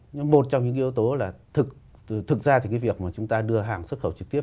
nhưng một trong những yếu tố là thực ra thì cái việc mà chúng ta đưa hàng xuất khẩu trực tiếp